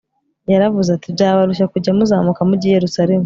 Yaravuze ati Byabarushya kujya muzamuka mujya i Yerusalemu